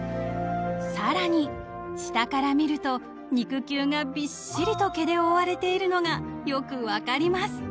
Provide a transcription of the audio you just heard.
［さらに下から見ると肉球がびっしりと毛で覆われているのがよく分かります］